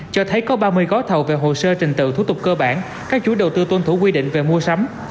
cho thấy có ba mươi gói thầu về hồ sơ trình tự thủ tục cơ bản các chú đầu tư tuân thủ quy định về mua sắm